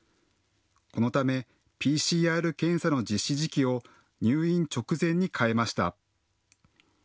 このため、ＰＣＲ検査の実施時期を入院直前に変えました。